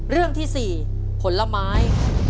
เรื่องที่๔ผลไม้